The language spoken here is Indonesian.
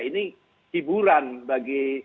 ini hiburan bagi